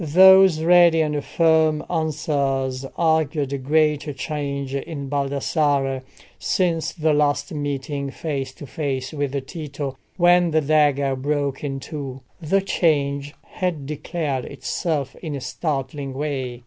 Those ready and firm answers argued a great change in Baldassarre since the last meeting face to face with Tito, when the dagger broke in two. The change had declared itself in a startling way.